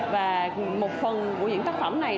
và một phần của những tác phẩm này